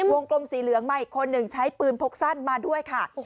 กลมสีเหลืองมาอีกคนหนึ่งใช้ปืนพกสั้นมาด้วยค่ะ